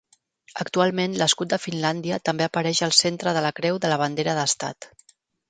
Actualment, l'escut de Finlàndia també apareix al centre de la creu de la bandera d'Estat.